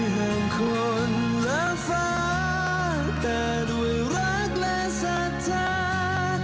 แห่งคนและฟ้าแต่ด้วยรักและศรัทธา